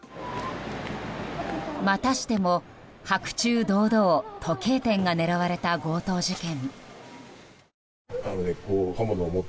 またしても白昼堂々時計店が狙われた強盗事件。